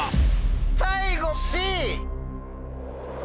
最後Ｃ！